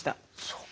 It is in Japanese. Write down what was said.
そうか。